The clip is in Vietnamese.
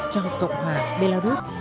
cho cộng hòa belarus